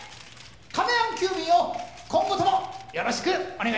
亀やん急便を今後ともよろしくお願いいたします。